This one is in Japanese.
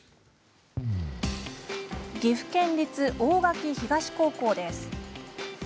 岐阜県立大垣東高校です。